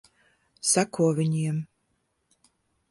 Seko viņiem.